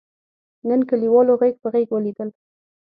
نن کلیوالو غېږ په غېږ ولیدل.